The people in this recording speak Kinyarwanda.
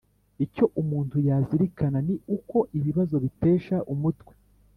Icyo umuntu yazirikana ni uko ibibazo bitesha umutwe